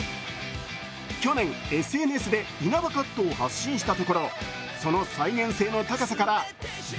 去年、ＳＮＳで稲葉カットを発信したところ、その再現性の高さからＢ